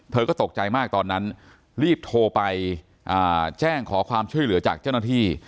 เธอก็ตกใจมากตอนนั้นรีบโทรไปแจ้งขอความช่วยเหลือจากเจ้าหน้าที่